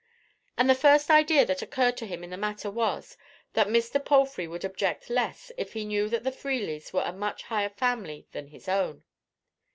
And the first idea that occurred to him in the matter was, that Mr. Palfrey would object less if he knew that the Freelys were a much higher family than his own.